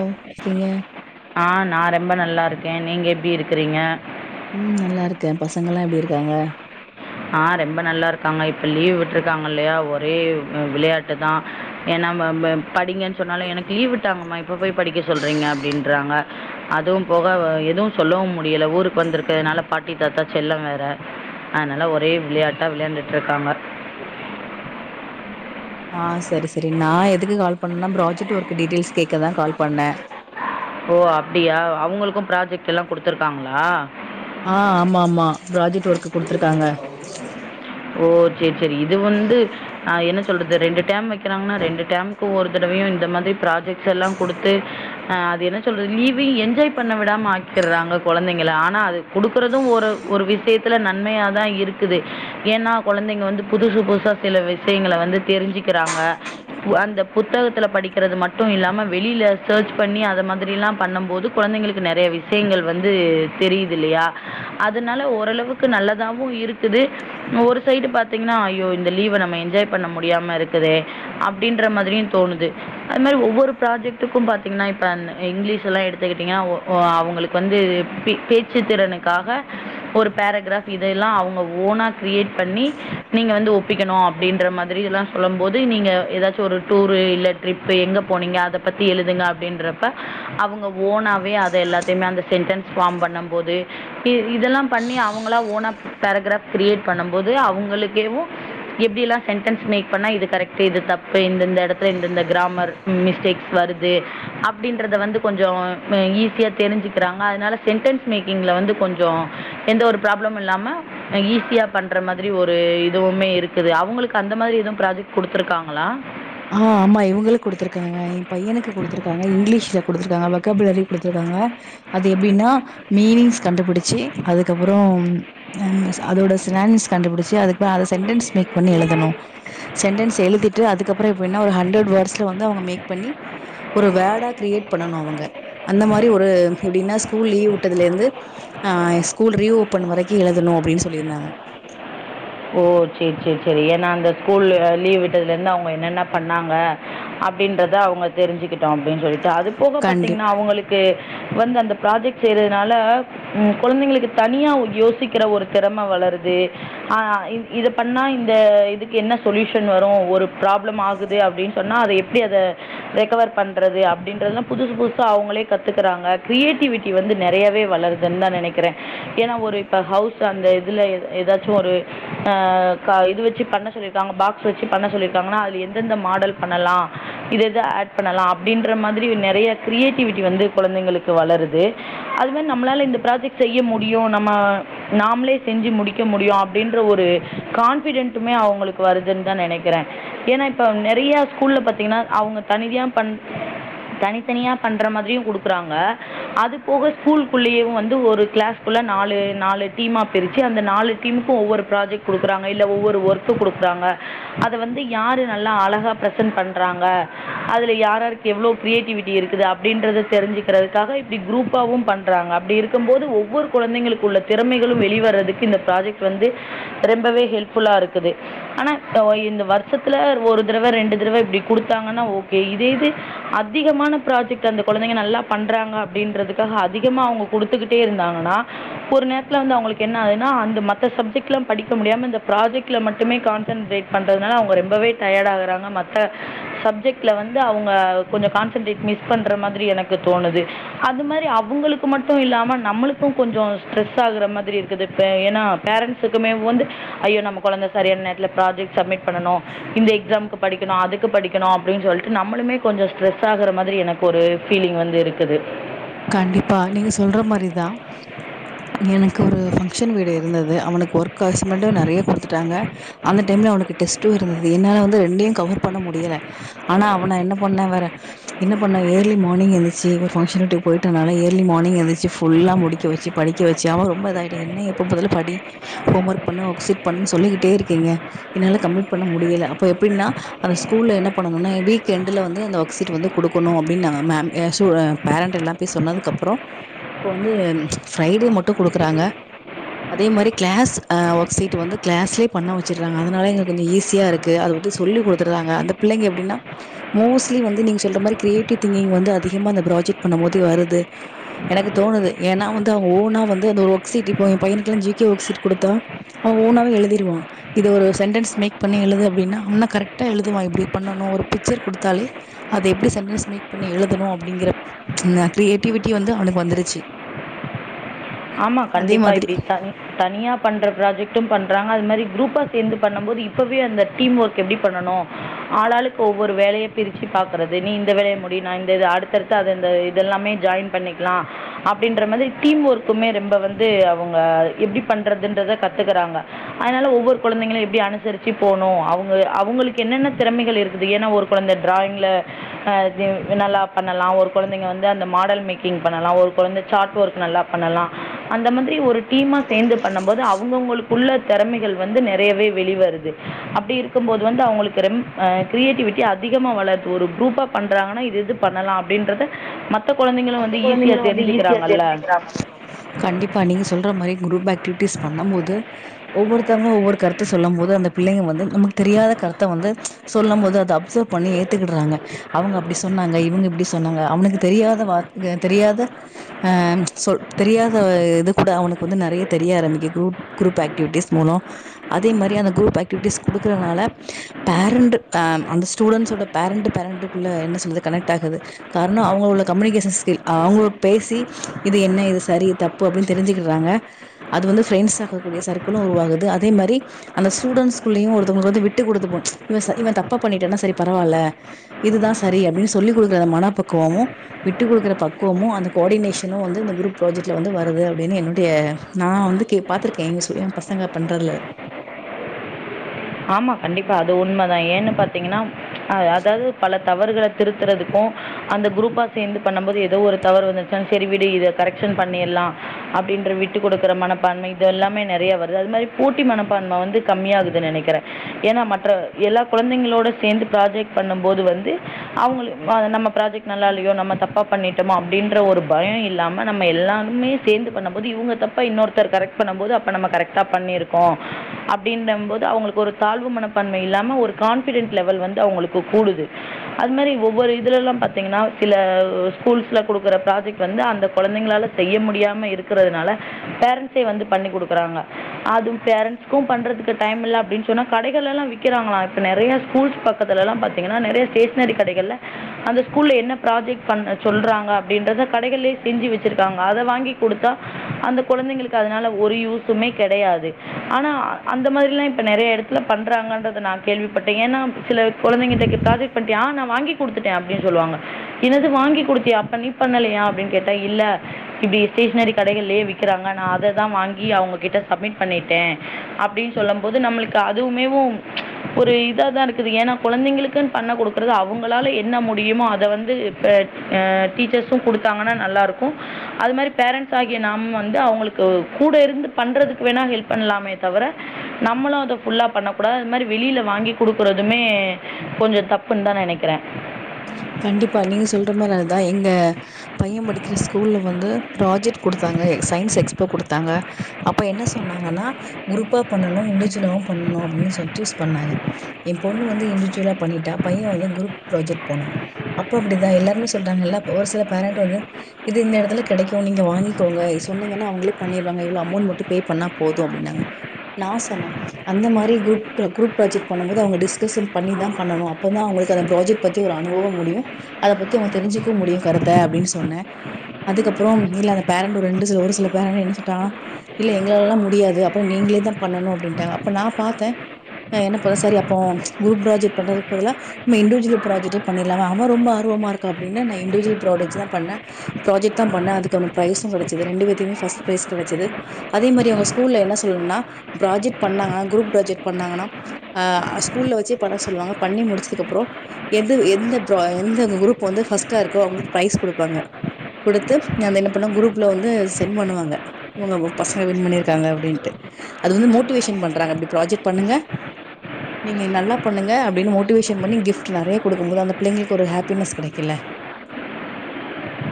ஓ கேய ஆ நா ரொம்ப நல்லா இருக்கே நீங்க எப்டி இருக்கிறீங்க ம் நல்லா இருக்க பசங்கல்லா எப்டி இருக்காங்க ஆ ரொம்ப நல்லா இருக்காங்க இப்ப லீவ் விட்டுருக்காங்க இல்லையா ஒரே விளையாட்டு தா என் நம்ம படிங்கன்னு சொன்னாலு எனக்கு லீவ் விட்டாங்கமா இப்ப போய் படிக்க சொல்றீங்க அப்டின்றாங்க அதுவு போக எதுவு சொல்லவு முடியல ஊருக்கு வந்திருக்கிறதுனால பாட்டி தாத்தா செல்ல வேற அதனால ஒரு ஒரே விளையாட்டா விளையாண்டுட்டு இருக்காங்க ஆ சரி சரி நா எதுக்கு கால் பண்ணனா ப்ராஜெக்ட் ஒர்க் டீடெயில்ஸ் கேக்கதா கால் பண்ண ஓ அப்டியா அவங்களுக்கு ப்ராஜெக்ட் எல்லா கொடுத்துருக்காங்களா ஆ ஆமா ஆமா ப்ராஜெக்ட் ஒர்க் குடுத்துருக்காங்க ஓ செரி செரி இது வந்து ஆ என் சொல்லுறது ரெண்டு ட்டம் வைக்கிறாங்கன ரெண்டு ட்டம்க்கு ஒரு தடவையு இந்த மாதிரி ப்ராஜெக்ட்ஸ் எல்லா கொடுத்து ஆ அது என்ன சொல்றது லீவே என்ஜாய் பண்ண விடாம ஆக்கிறாங்க குழந்தைங்கள ஆனா அது கொடுக்குறதும் ஒரு ஒரு விஷயத்துல நன்மையாதா இருக்குது ஏன்னா குழந்தேங்க வந்து புதுசு புதுசா சில விஷயங்கள வந்து தெரிஞ்சிக்கிறாங்க அந்த பு புத்தகத்தில படிக்கிறது மட்டு இல்லாம வெளியில சர்ச் பண்ணி அது மாதிரி எல்லா பண்ணும்போது குழந்தைங்களுக்கு நிறைய விஷ யங்கள் வந்து தெரியுது இல்லையா அதனால ஓரளவுக்கு நல்லதாவு இருக்குது ஒரு சைடு பாத்தீங்கன்னா ஐயோ இந்த லீவ நம்ம என்ஜாய் பண்ண முடியாம இருக்குதே அப்டின்ற மாதிரி தோணுது அதுமாரி ஒவ்வொரு ப்ராஜெட்டுக்கு பாத்தீங்கன்னா இப்ப இங்கிலீஷ் எல்லா எடுத்துக்கிட்டீங்கன ஒ அவங்களுக்கு வந்து பே பேச்சு திறனுக்காக ஒரு பேராகிராப் இதெல்லா அவங்க ஓனா கிரியேட் பண்ணி நீங்க வந்து ஒப்பிக்கணு அப்படின்ற மாதிரில்லா சொல்லு போது நீங்க ஏதாச்சு ஒரு டூர்ரு இல்ல ட்ரிப் எங்க போனீங்க அத பத்தி எழுதுங்க அப்டின்றப்ப அவங்க ஓனாவே எல்லத்தையுமே அந்த சென்டன்ஸ் பார்ம் பண்ணு போது இதெல்லா பண்ணி அவங்களா ஓன பேரகிராப் கிரியேட் பண்ணு போது அவங்களுக்கேவு இப்படி எல்லா சென்டன்ஸ் மேக் பண்ணா இது கரெக்ட் இது தப்பு இந்த இந்த இடத்துல இந்த இந்த கிராமர் மிஸ்டேக்ஸ் வ து அப்படின்றத வந்து கொஞ்ச ஈஸியா தெரிஞ்சுக்கிறாங்க அதனால சென்டன்ஸ் மேக்கிங்ல வந்து கொஞ்ச எந்த ஒரு ப்ராப்ளமு இல்லாம ஈஸியா பண்ற மாதிரி ஒரு இதுவுமே இருக்குது அவங்களுக் அந்த மாதிரி எதுவு ப்ராஜெக்ட் கொடுத்துருக்காங்களா ஆ ஆமா இவங்களுக்கு கொடுத்துருக்காங்க எ பையனுக்கு கொடுத்துருக்காங்க இங்கிலீஷ்ல கொடுத்துருக்காங்க வக்காபுலரி கொடுத்துருக்கா ங்க அது எப்படின்னா மீனிங்ஸ் கண்டுபிடிச்சு அதுக்கப்புறம் அது அதோட சினானிம்ஸ் கண்டுபிடிச்சு அதுக்கு சென்டன்ஸ் மேக் பண்ணி எழுதனு சென்டென்ஸ் எழுதிட்டு அதுக் அதுக் அப்புறம் இப்ப என்ன ஓரு ஹண்ரர்டு வெட்ஸ்ல அவங்க மேக் பண்ணி ஒரு வேடா கிரியேட் பண்ணு அவங்க அந்த மாதிரி ஒரு எப்படின்னா ஸ்கூல் லீவ் விட்டதில இருந்து ஸ்கூல் ரீ ஓபன் வரைக்கு எழுதணு அப்படின்னு சொல்லியிருந்தாங்க ஓ செரி செரி செரி ஏன்னா அந்த ஸ்கூல் லீவ் விட்டதுல இருந்து அவங்க என்னென்ன பண்ணாங்க அப்படின்றத அவங்க தெரிஞ்சுக்கிட்டோ அப்படின்னு சொல்லிட்டு அது போக கண்டிப் பாத்தீங்கன்னா அவங்களுக்கு வந்து அந்த ப்ராஜெக்ட் செய்யறதுனால உம் குழந்தைங்களுக்கு தனியா யோசிக்கிற ஒரு திறம வளருது ஆ இ இத பண்ணா இந்த இதுக்கு என்ன சொல்யூஷன் வரு ஒரு ப்ராப்ளம் ஆகுது அப்டின் சொன்னா அத எ ப்டி அத ரெக்கவர் பண்றது அப்டின்றதுல்லா புதுசு புதுசா அவுங்களே கத்துக்குறாங்க கிரியேட்டிவிட்டி வந்து து நெறையாவே வளருதுன்னு தான் நெனக்கிறேன் ஏன்னா ஒரு இப்ப ஹவுஸ் அந்த இதுல எ எதாச்சு சு ஒரு அ க இது வச்சு பண்ண சொல்லிருக்காங்க பாக்ஸ் வச்சு பண்ண சொல்லியிருக்காங்கன்னா அதுல எந்தெந்த மாடல் பண்ணலா இது இது ஆட் பண்ணலா அப்படின்ற மாதிரி நெறைய கிரியேட்டிவிட்டி வந்து கொழந்தைங்களுக்கு வளருது ருது அது மாரி நம்மளால இந்த ப்ராஜெக்ட் செய்ய முடியு நம்ம நாம்ளே செஞ்சு முடிக் க முடியு அப்டின்ற ஒரு கான்ஃபிடென்டுமே அவுங்களுக்கு வருதுன் தா நெனைக்கிறே ஏன்னா இப்ப நெறைய நெறையா ஸ்கூல்ல பாத்தீங்கன்னா அவுங்க தனிவியா பண் தனித்தனியா பண்ற மாதிரியு குடுக்குறாங்க அது போக ஸ்கூல்க் குள்ளேயேவு வந்து ஒரு க்ளாஸ்க்குள்ள த நாலு நாலு டீமா பிரிச்சு அந்த நாலு டீமுக்கூ ஒவ்வொரு ப்ராஜெக்ட் குடுக்குறாங்க இல்ல ஒவ்வொரு ஒர்கு குடுக்குறாங்க அத வந்து யாரு நல்லா அழகா ப்ரசண் பண்றாங்க அதுல யாராருக்கு எவ்ளோ கிரியேட்டிவிட்டி இருக்குது அப்டின்றத தெரிஞ்சுக்கிறதுக்காக இப்டி குரூப்பாவும் பண்றாங்க அப்டி இருக்கும் போது ஒவ்வொரு குழந்தைகளுக்கு உள்ள திறமைகளும் வெளிவரறதுக்கு இந்த ப்ராஜெக்ட் வந்து ரெம்பவே ஹெல்ப்ஃபுல்லா இருக்குது ஆனா இந்த வருஷத்துல ஒரு தடவ ரெண்டு இந்தடவ இப்டி குடுத்தாங்கன்னா ஓகே இதேது அதிகமான ப்ராஜெக்ட் அந்த கொழந்தைங்க நல்லா பண்றாங்க அப்டி அப்டின்றதுக்காக அதிகமா அவுங்க குடுத்துக்கிட்டே இருந்தாங்கன்னா ஒரு நேரத்துல வந்து அவுங்களுக்கு என்ன ஆகுதுன்னா அந்த மத் மத்த சப்ஜெக்ட்லா படிக்க முடியாம இந்த ப்ராஜெக்ட்ல மட்டுமே கான்சன்ட்ரேட் பண்றதுனால அவுங்க ரெம்பவே டயர்ட் ஆகுறாங்க ப்ப சப்ஜெக்ட்ல வந்து அவுங்க கொஞ்சோ கான்சன்ட்ரேட் மிஸ் பண்ற மாதிரி எனக்கு தோணுது அது மாரி அவுங்களுக்கு மட்டு இல்லாம நம்மளுக்கூ கொஞ்சௌ ஸ்ட்ரெஸ் ஆகுற மாதிரி இருக்குது இப்ப ஏன்னா பேரண்ட்ஸ்க்குமே வந்து ஐயோ நம்ம கொழந்த சரியான நேரத்துல ப்ராஜெக்ட் சப்மிட் பண்ணனு இந்த எக்ஸாம்க்கு படிக்கணு அதுக்கு படிக்கணு அப்டின் சொல்லிட்டு நம்மளுமே கொஞ்சோ ஸ்ட்ரெஸ் ஆகற மாதிரி எனக்கு ஒரு ஃபீலிங் வந்து இருக்குது கண்டிப்பா நீங்க சொல்ற மாரிதா எனக்கு ஒரு ஃபங்கஷன் வீடு இருந்தது அவனுக்கு ஒர்கு அசைமெண்டு நறைய குடுத்துட்டாங்க அந்த டைம்ல அவனுக்கு டெஸ்டூ இருந்தது என்னால வந்து ரெண்டையு கவர் பண்ண முடியல ஆனா அவன என்ன பண்ண வேற என்ன என்ன பண்ண ஏர்லி மானிங் எந்திருச்சி ஒரு ஃபங்கஷன் வீட்டுக்கு போயிட்டதுனால ஏர்லி மார்னிங் எந்துச்சி ஃபுல்லா முடிக்க வச்சி படிக்க வச்சி அவன் ரொம்ப இதாயிட்டா என்ன எப்ப பாத்தாலு படி ஹோம் ஒர்க் பண்ணு ஒர்க்சீட் பண்ணுனு சொல்லிக்கிட்டே இருக்கீங்க என்னால கம்ப்ளீட் பண்ண முடியல அப்ப எப்டின்னா அத கூல்ல என்ன பண்ணணுன்னா வீக்யெண்டுல வந்து அந்த ஒர்க்ஷீட் வந்து குடுக்கணூ அப்டின் நாங்க மேம் ய ஸுபேரண்ட் எல்லாம் போய் சொன்னதுக்கப்புறோ இப்போ வந்து ஃப்ரைடே மட்டு குடுக்குறாங்க அதே மாரி க்ளாஸ் ஒர்க் சீட் வந்து கிளாஸ்லயே பண்ண வச்சிராங்க அதனால எங்களுக்கு கொஞ்சோ ஈஸியா இருக்கு அது வந்து சொல்லிக் கொடுத்துர்றாங்க அந்த பிள்ளைங்க எப்டின்னா மோஸ்ட்லி வந்து நீங்க சொல்ற மாரி கிரியேட்டிவ் திங்கிங் வந்து அதிகமான அந்த ப்ராஜெக்ட் பண்ணம் போது வருது எனக்கு தோணுது ஏன்னா வந்து அவ ஓணா வந்து ஒர்க்ஸீட் இப்போ என் பையனுக்கெல்லா ஜி கே ஒர்க்ஸீட் குடுத்தா அவ ஓனாவே எழுதிருவா இது ஒரு சென்டெண்ஸ் மேக் பண்ணி எழுது அப்டினா அவனா கரெக்டா எழுதுவான் இப்டி பண்ணணு ஒரு பிச்சர் குடுத்தாலே அத எப்டி சென்டன்ஸ் மேக் பண்ணி எழுதணூ அப்டிங்கிற ன கிரியேட்டிவிட்டி வந்து அவனுக்கு வந்துருச்சி ஆமா கண்டிப்பா இப்டி த தனியா பண்ற ப்ராஜெக்ட்டும் பண்றாங்க அது மாரி குரூப்பா சேந்து பண்ணம் போது இப்பவே அந்த டீம் ஓர்க் எப்டி பண்ணனு ஆள் ஆளுக்கு ஒவ்வொரு வேலைய பிரிச்சு பார்க்கறது நீ இந்த வேலைய முடி நா இந்த அடுத்த அடுத்த அந்த இத எல்லாமே ஜாயின் பண்ணிக்லா அப்டின்ற மாதிரி டீம் ஒர்க் எப்பவ்மே ரெம்ப வந்து அவுங்க எப்டி பண்றதுன்றத கத்துக்கறாங்க அதனால ஒவ்வொரு கொழந்தைங்களு எப்டி அனுசரிச்சி போனு அவுங்க அவுங்களுக்கு என்னென்ன திறமைகள் இருக்குது ஏன்னா ஒரு கொழந்த ட்ராயிங்ல ஆ ந்து நல்லா பண்ணலா ஒரு கொழந்தைங்க வந்து அந்த மாடல் மேக்கிங் பண்ணலா ஒரு கொழந்த சார்ட் ஒர்க் நல்லா பண்ணலா அந்த மாதிரி ஒரு டீமா சேந்து பண்ணம் போது அவ் அவுங்கவுங்களுக்குள்ள தெறமைகள் வந்து நெறையவே வெளிவருது அப்டி இருக்கும்போது வந்து அவுங்களுக்கு ரெம் கிரியேட்டிவிட்டி அதிகமா வளர்து ஒரு குரூப்பா பண்றாங்கன்னா இது இது பண்ணலா அப்டின்றத மத்த மத்த கொழந்தைங்களு மத்த வந்து ஈஸியா கொழந்தைங்களு வந்து ஈஸியா தெரிஞ்சிக்கிறாங்கல்ல தெரிஞ்சுக்கிறாங்கல்ல கண்டிப்பா நீங்க சொல்ற மாரி குரூப் ஆக்டிவிட்டிஸ் பண்ணம் போது ஓ ஒவ்வொருத்தவ்ங்க ஒவ்வொரு கருத்து சொல்லம் போது அந்த பிள்ளைங்க வந்து நமக்கு தெரியாத கருத்த வந்து சொல்லம் போது அத அப்சர்வ் பண்ணி ஏத்துக்கிடுறாங்க அவங்க அப்டி சொன்னாங்க இவங்க இப்டி சொன்னாங்க அவனுக்கு தெரியாத வார் ங்க தெரியாத அ சொல் தெரியாத இது கூட அவனுக்கு வந்து நெறைய தெரிய ஆரம்பிக்கு குரூ குரூப் ஆக்டிவிட்டிஸ் மூலோ அதே மாரி அந்த குரூப் ஆக்டிவிட்டிஸ் குடுக்கறனால பேரண்ட் ஃப்மேம் அந்த ஸ்டூடண்ட்ஸோட பேரண்ட்டு பேரண்ட்டுக்குள்ள என்ன சொல்லுது கனெக்ட் ஆகுது காரண அவங்களோ உள்ள கம்யூனிகேஷன்ஸ் தில் அவங்க பேசி இது என்ன இது சரி தப்பு அப்டின்னு தெரிஞ்சுக்கிடறாங்க அது வந்து பிரெண்ட்ஸ் க்கக்கூடிய சர்கிளும் உருவாகுது அதே மாரி அந்த ஸ்டுடெண்ஸ்க்குளையு ஒருத்தவங்களுக்கு வந்து விட்டு குடுத்து போ இவ ச இவ தப் பா பண்ணிட்டனா சரி பரவாயில்ல இதுதா சரி அப்டின்னு சொல்லிக் குடுக்கற மன பக்குவமும் விட்டு குடுக்குற பக்குவமு அந்த கோடினேஷனு வந்து குரூப் ப்ராஜெக்டுல வந்து வருது அப்டினு என்னுடைய நா வந்து கே பாத்திருக் கேங்க சொல்லி எ பசங்க பண்றல [inaudible] [unintelligible] ஆமா கண்டிப்பா அது உண்மைதா ஏன்னு பாத்தீங்கன்னா அ அதாவது பல தவறுகள திருத்துறதுக்கு கு அந்த குரூப்பா சேந்து பண்ணும் போது ஏதோ ஒரு தவறு வந்துச்ச சரி விடு இத கரெக்ஷன் பன்னீர்லா அ ப்படின்ற விட்டு கொடுக்குற மனப்பான்மை இது எல்லாமே நெறைய வருது அது மாரி போட்டி மனப்பான்ம வந்து கம்மியாககுது நெனைக்கறே ஏன்னா மற்ற எல்லா குழந்தைங்களோட சேந்து பராஜெக்ட் பண்ணும் போது வந்து அவங்களுக்கு நம்ம நம்ம ப்ராஜெக்ட் நல்ல இல்லையோ நம்ம தப்பா பண்ணிட்டோமோ அப்டின்ற ஒரு பயோ இல்லாம நம்ம எல்லாருமே சேந்து பண்ணு போது இது இவங்க தப்ப இன்னொருத்தர் கரெக்ட் பண்ணும் போது அப்ப நம்ம கரெக்டா பண்ணிருக்கோ அப்டின்ன போது அவங்களுக்கு ஒரு தாழ்வு மனப்பன்மை இல்லாம ஒரு கான்பிடென்ஸ் லெவல் வந்து அவங்களுக்கு கூடுது அது மாரி ஒவ்வொரு இதுலெல்லா பாத்தீங்கன்னா சில ஸ்கூல்ஸ்ல குடுக்குற ப்ராஜெக்ட் வந்து அந்த கொழந்தைங்களால செய்ய முடியாம இருக்கறது னால பேரண்ட்சே வந்து பண்ணி குடுக்கறாங்க அது பேரன்ஸ்கு பண்றதுக்கு டைம் இல்ல அப்டின்னு சொன்னா கடைகள எல்லா விக்கிறாங்களா இப்ப நெறைய ஸ்கூல்ஸ் பக்கத்துலல்லா பாத்தீங்கன்னா நெறைய ஸ்டேஷனரி கடைகல அந்த ஸ்கூலில என்ன ப்ராஜெக்ட் பண்ண சொல்கிறாங்க அப்டின்றத கடைகளேயே செஞ்சு வச்சுருக்காங்க அத வாங்கி குடுத்தா அந்த கொழந்தைங்களுக்கு அதனால ஒரு யூசுமே கெடையாது ஆனா அந்த மாரில்லா இப்ப நெறைய எட ல பண்றாங்கன்றத நா கேள்விப்பட்டே ஏன்னா சில கொழந்தைகிட்ட ப்ராஜெக்ட் பண்ணிட்யா ஆ நா வாங்கி குடுத்துட்டே அப்டின்னு சொல்லுவாங்க எனது வாங்கி குடுத்யா அப்ப நீ பண்ணலையா அப்டின்னு கேட்டா இல்ல டி ஸ்டேஷனரி கடைகலயே விக்கிறாங்க நா அத தா வாங்கி அவங்க கிட்ட சப்மிட் பண்ணிட்டே அப்டின்னு சொல்ல நம் போது நம்மளுக்கு அதுவுமேவு ஒரு இதா தா இருக்குது ஏன்னா கொழந்தைங்களுக்குன்னு பண்ண குடுக்குறது அவங்களால என்ன முடியுமோ அத வந்து இப்ப ஆ டீச்சர்ஸும் குடுத்தாங்கன்னா நல்லா இருக்கு அது மாரி பேரண்ட்ஸ் ஆகிய நாம வந்து அவங்களுக்கு கூட இருந்து பண்றதுக்கு வேணா ஹெல்ப் பண்ணலாமே தவிர நம்மளு அத ஃபுல்லா பண்ண கூடாது அது மாரி வெளியில வாங்கி குடுக்குறதுமே கொஞ்சோ தப்புன்னு தா நெனைக்கிறே ஆ [unintelligible] கண்டிப்பா நீங்க சொல்ற மாரி அதுதா எங்க பைய படிக்கிற ஸ்கூல்ல வந்து ப்ராஜெக்ட் குடுத்தாங்க சயின்ஸ் எக்ஸ்போ குடுத்தாங்க அப்ப என்ன சொன்னாங்கன்னா குரூப்பா பண்ணனு இண்டிவிஜுவலவு பண்ணனு இன்னிசோ சூஸ் பண்ணாங்க எ பொண்ணு வந்து இண்டவிஜுவலா பண்ணிட்டா பைய வந்து குரூப் ப்ராஜெக்ட் போன அப்ப அப்டிதா எல்லாருமே சொல்றாங்கல்ல ஒரு சில பேரண்ட் வந்து இது இந்த எடத்துல கெடைக்கு நீங்க வாங்கிக்கோங்க சொன்னீங்கன்னா அவங்களே பண்ணிருவாங்க இவ்ளோ அமொண்ட் மட்டு பே பண்ணா போது அப்டின்னாங்க நா சொன்ன அந்த மாரி க்ரூப் க்ரூப் ப்ராஜெக்ட் பண்ணும்போது அவங்க டிஸ்கஷன் பண்ணி தா பண்ணனு அப்பதா அவங்க உங்களுக்கு அந்த ப்ராஜக்ட் பத்தி ஒரு அனுபவோ முடியு அத பத்தி அவங்க தெரிஞ்சுக்கவு முடியு கருத்த அப்டின் சொன்ன அதுக்கப்புறோ இல்ல அந்த பேரண்ட் ஒரு ரெண்டு சில ஒரு சில பேரண்ட் என்ன சொல்ட்டாங்கனா இல்ல எங்களாலல்லா முடியாது அப்பனா நீங்ளே தா பண்ணணு அப்டின்ட்டாங்க அப்ப நா பாத்த அ என்னப்பா சரி அப்போ க்ரூப் ப்ராஜெக்ட் பண்றதுக்கு பதிலா நம்ம இண்டுஜுவல் ப்ராஜக்ட்டே பண்ணிர்லாம அவ ரொம்ப ஆர்வமா இருக்கா அப்டினு நா இண்டிஜுவல் ப்ராடெஜ் தா பண்ண ப்ராஜெக்ட் தா பண்ண அதுக்கு அவ ப்ரைசு கடச்சது ரெண்டு பேத்தயுமே பஸ்ட் ப்ரைஸ் கடச்சது அதே மாரி அவங்க ஸ்கூல்ல என்ன சொல்லனுனா ப்ராஜெக்ட் பண்ணாங்கனா க்ரூப் ப்ராஜெக்ட் பண்ணாங்கனா அ ஸ்கூல்லல வச்சே பண்ண சொல்வாங்க பண்ணி முடிச்சதுக்கு அப்றோ எது எந்த ப்ரா எந்த க்ரூப் வந்து ஃபர்ஸ்ட்டா இருக்கோ அவங்களுக்கு ப்ரைஸ் குடுப்பாங்க குடுத்து அத என்ன பண்ணு க்ரூப்ல வந்து சென்ட் பண்ணுவாங்க இவங்க பசங்க வின் பண்ணிருக்காங்க அப்டின்ட்டு அது வந்து மோட்டிவேஷன் பண்றாங்க இப்டி ப்ராஜெக்ட் பண்ணுங்க நீங்க நல்லா பண்ணுங்க அப்டின்னு மோட்டிவேஷன் பண்ணி கிஃப்ட் நெறைய குடுக்கும்போது அந்த பிள்ளைங்களுக்கு ஒரு ஹப்பினஸ் கிடைக்கில்ல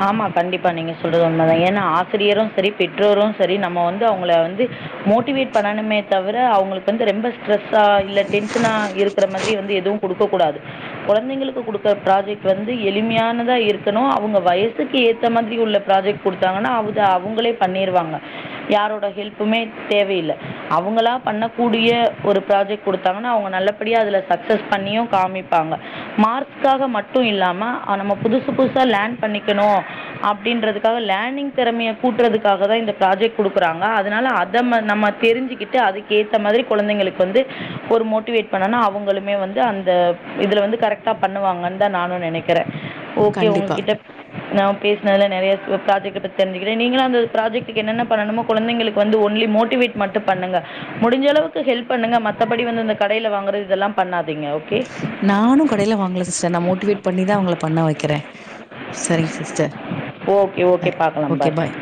ஆமா கண்டிப்பா நீங்க சொல்றது உண்மதா ஏனா ஆசிரியரு சரி பெற்றோரு சரி நம்ம வந்து அவங்கள வந்து மோட்டிவேட் பண்ணணுமே தவுர அவுங்களுக்கு வந்து ரெம்ப ஸ்ட்ரஸா இல்ல டென்ஷனா இருக்குற மாதி ரீ வந்து எதுவு குடுக்கக் கூடாது கொழந்தைகளுக்கு குடுக்குற ப்ராஜெக்ட் வந்து எளிமையானதா இருக்கணு அவுங்க வயஸ் கிட்ஸ்க்கு ஏத்த மாதிரி உள்ள ப்ராஜெக்ட் குடுத்தாங்கன்னா அது அவுங்களே பண்ணிருவாங்க யாரோட ஹெல்புமே தேவயில்ல அவுங்களா பண்ணக்கூடிய ஒரு ப்ராஜெக்ட் குடுத்தாங்கனா அவுங்க நல்லபடியா அதுல சக்சஸ் பண்ணியு காமிப்பாங்க மார்க்காக மட்டு இல்லாம ஆ நம்ம புதுசு புதுசா லேன் பண்ணி க்ணு அப்டின்றதுக்காக லனிங் தெறமைய கூட்றதுக்காக தா இந்த ப்ராஜெக்ட் குடுக்குறாங்க அதுனால அத ம நம்ம தெரிஞ்சுக்கிட்டு அதுக்கு ஏத்த மாதிரி கொழந்தைங்களுக்கு வந்து ஒரு மோட்டிவேட் பண்ணணா அவுங்களுமே வந் வந்து அந்த இதுல வந்து கரெக்டா பண்ணுவாங்கன் தா நானு நெனைக்கிறே ஓகே கண்டிப்பா உங்ககிட்ட நா பேசுனதுல நெறையா ப்ராஜெக்ட பத்தி தெரிஞ்சுக்குறே நீங்களு அந்த ப்ராஜெக்டுக்கு என்னென்ன பண்ணனுமோ கொழந்தைளுக்கு வந்து ஒன்லி மோட்டிவேட் மட்டு பண்ணுங்க முடிஞ்ச அளவுக்கு ஹெல்ப் பண்ணுங்க மத்தபடி வந்து இந்த கடையில வாங்குறது இதெல்லா பண்ணாதிங்க ஓகே நானு கடைல வாங்கல சிஸ்டர் நா மோட்டிவேட் பண்ணி தா அவங்கள பண்ண வைக்கிறே சரிங்க sis sir okay okay bye பார்க்கலாம் ஓகே பாய் ஃபாய்